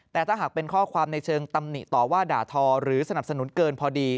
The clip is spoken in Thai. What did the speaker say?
แต่ถ้าหากเป็นข้อความในเชิงตำหนิต่อว่าด่าทอหรือสนับสนุนเกินพอดี